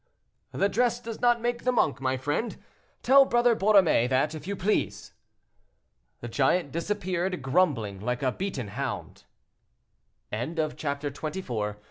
"The dress does not make the monk, my friend; tell Brother Borromée that, if you please." The giant disappeared, grumbling, like a beaten hound. CHAPTER XXV. THE GUISES.